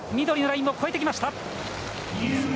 緑のラインを越えてきました！